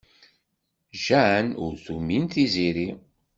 Jane ur tumin Tiziri.